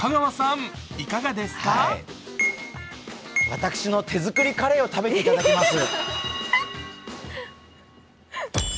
私の手作りカレーを食べていただきます。